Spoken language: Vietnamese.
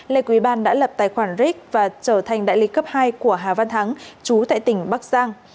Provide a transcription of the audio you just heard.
lê quý ban đã lập tài khoản ric và trở thành đại lý cấp hai của hà văn thắng chú tại tỉnh bắc giang